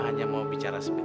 hanya mau bicara sempat